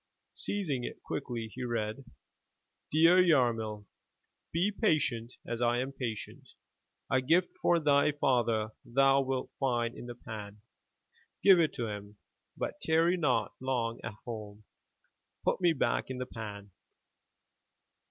Seizing it quickly he read: "Dear Yarmil, — Be patient as I am patient. A gift for thy father thou wilt find in the pan. Give it to him, but tarry not long at home. Put me back in the pan."